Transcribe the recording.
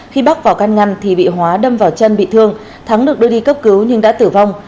khi bắc vào can ngăn thì bị hóa đâm vào chân bị thương thắng được đưa đi cấp cứu nhưng đã tử vong